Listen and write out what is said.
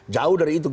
jauh dari itu